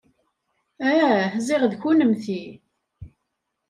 Ah, ziɣ d kennemti.